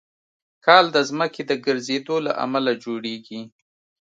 کال د ځمکې د ګرځېدو له امله جوړېږي.